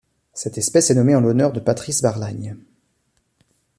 Cette espèce est nommée en l'honneur de Patrice Barlagne.